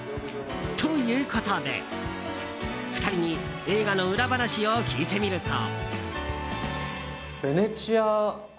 ということで、２人に映画の裏話を聞いてみると。